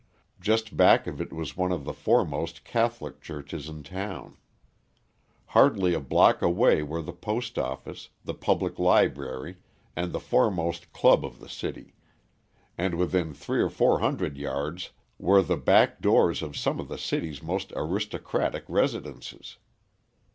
Just back of it was one of the foremost Catholic churches in town; hardly a block away were the post office, the public library, and the foremost club of the city, and within three or four hundred yards were the back doors of some of the city's most aristocratic residences.